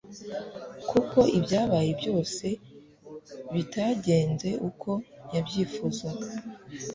kuko ibyabaye byose bitagenze uko yabyifuzaga